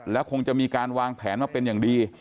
แล้วคงจะมีการวางแผนมาเป็นอย่างดี